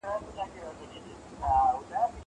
زه د کتابتوننۍ سره خبري کړي دي!